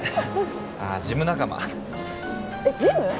ああジム仲間えっジム！？